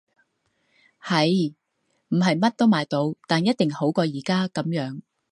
係！唔係乜都買到，但一定好過而家噉樣